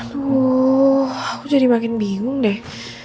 aduh aku jadi makin bingung deh